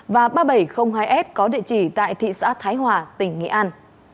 và ba nghìn bảy trăm linh hai s có địa chỉ tại thị xã thái hòa tỉnh nghệ an